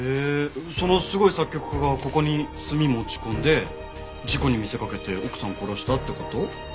そのすごい作曲家がここに炭持ち込んで事故に見せかけて奥さんを殺したって事？